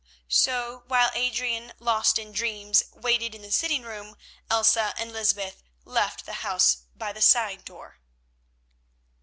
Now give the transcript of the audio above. So while Adrian, lost in dreams, waited in the sitting room Elsa and Lysbeth left the house by the side door.